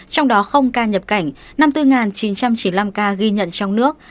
trong đó ca nhập cảnh năm mươi bốn chín trăm chín mươi năm ca ghi nhận trong nước